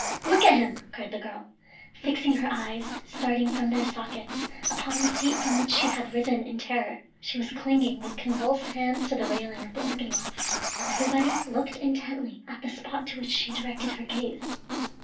look at him!" cried the girl, fixing her eyes, starting from their sockets, upon the seat, from which she had risen in terror. She was clinging with convulsed hands to the railing of the organ loft. Everybody looked intently at the spot to which she directed her gaze.